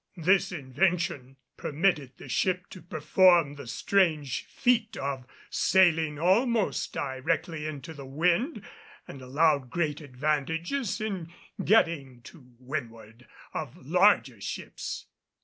This invention permitted the ship to perform the strange feat of sailing almost directly into the wind, and allowed great advantages in getting to windward of larger ships.